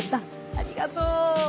ありがとう！